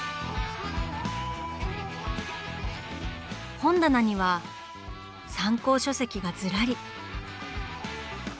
本棚には参考書籍がずらり。